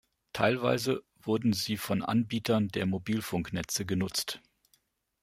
Teilweise wurden sie von Anbietern der Mobilfunknetze genutzt.